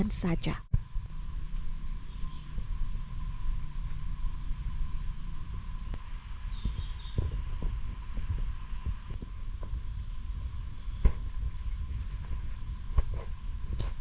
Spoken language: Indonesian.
kini iswati sudah berada di rumah